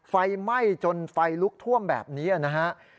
ไฟไหม้จนไฟลุกท่วมแบบนี้นะฮะ